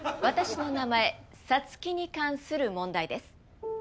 私の名前「さつき」に関する問題です。